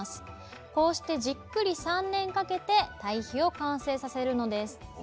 こうしてじっくり３年かけてたい肥を完成させるのです。